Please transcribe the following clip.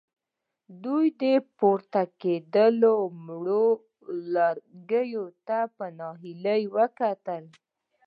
دوی پورته کېدونکو مړو لوګيو ته په ناهيلۍ کتل.